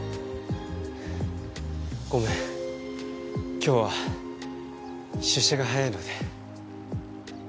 ごめん今日は出社が早いので。